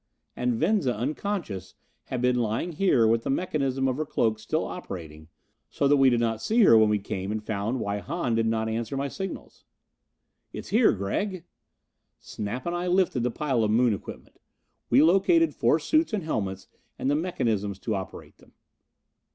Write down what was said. And Venza, unconscious, had been lying here with the mechanism of her cloak still operating, so that we did not see her when we came and found why Hahn did not answer my signals. "It's here, Gregg." Snap and I lifted the pile of Moon equipment. We located four suits and helmets and the mechanisms to operate them.